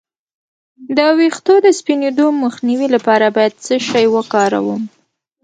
د ویښتو د سپینیدو مخنیوي لپاره باید څه شی وکاروم؟